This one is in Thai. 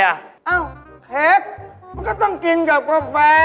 เอ้าเพชรมันก็ต้องกินกับกาแฟ